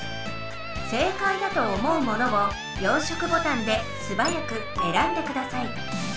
正かいだと思うものを４色ボタンで素早くえらんでください。